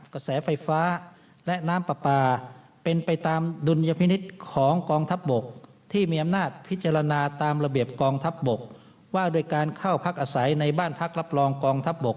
กระแสไฟฟ้าและน้ำปลาปลาเป็นไปตามดุลยพินิษฐ์ของกองทัพบกที่มีอำนาจพิจารณาตามระเบียบกองทัพบกว่าโดยการเข้าพักอาศัยในบ้านพักรับรองกองทัพบก